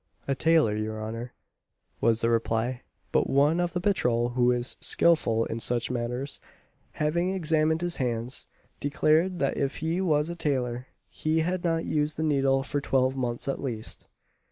"A tailor, your honour," was the reply. But one of the patrol, who is skilful in such matters, having examined his hands, declared, that if he was a tailor, he had not used the needle for twelve months at least.